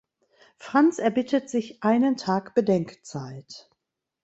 Franz erbittet sich einen Tag Bedenkzeit.